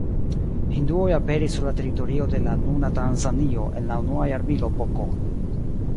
Hinduoj aperis sur la teritorio de la nuna Tanzanio en la unua jarmilo pK.